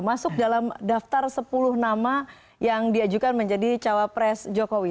masuk dalam daftar sepuluh nama yang diajukan menjadi cawapres jokowi